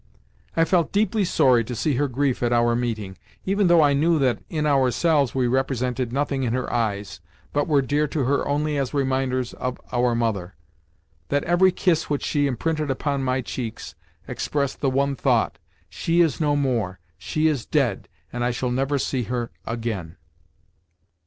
I felt deeply sorry to see her grief at our meeting, even though I knew that in ourselves we represented nothing in her eyes, but were dear to her only as reminders of our mother—that every kiss which she imprinted upon my cheeks expressed the one thought, "She is no more—she is dead, and I shall never see her again."